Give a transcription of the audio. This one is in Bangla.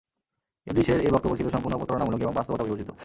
ইবলীসের এ বক্তব্য ছিল সম্পূর্ণ প্রতারণামূলক এবং বাস্তবতা বিবর্জিত।